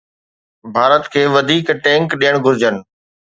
ڀارت کي وڌيڪ ٽينڪ ڏيڻ گهرجن.